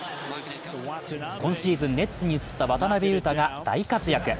今シーズン、ネッツに移った渡邊雄太が大活躍。